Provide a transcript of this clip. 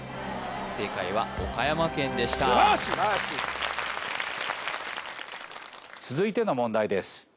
正解は岡山県でした素晴らしい続いての問題です